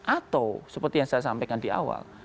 atau seperti yang saya sampaikan di awal